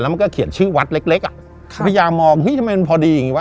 มันก็เขียนชื่อวัดเล็กเล็กอ่ะพยายามมองเฮ้ยทำไมมันพอดีอย่างงีวะ